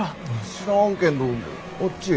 知らんけんどあっちへ。